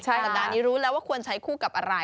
สัปดาห์นี้รู้แล้วว่าควรใช้คู่กับอะไร